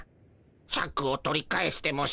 シャクを取り返してもしゅうりょう。